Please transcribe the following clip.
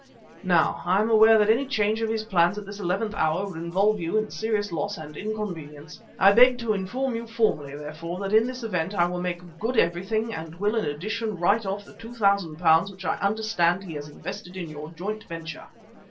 "Now I am aware that any change of his plans at this eleventh hour would involve you in serious loss and inconvenience. I beg to inform you formally, therefore, that in this event I will make good everything and will in addition write off the £2,000 which I understand he has invested in your joint venture.